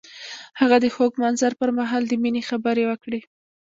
هغه د خوږ منظر پر مهال د مینې خبرې وکړې.